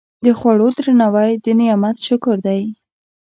د خوړو درناوی د نعمت شکر دی.